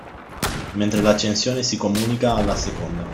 Mentre l’accensione si comunica alla seconda